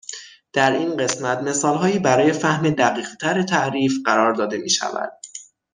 در این قسمت مثالهایی برای فهم دقیق تر تعریف قرار داده میشود